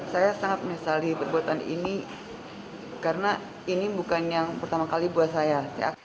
saya sangat menyesali perbuatan ini karena ini bukan yang pertama kali buat saya